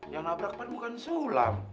yang nabrak kan bukan sulam